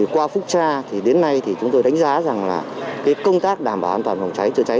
qua phúc tra đến nay chúng tôi đánh giá rằng công tác đảm bảo an toàn phòng cháy chữa cháy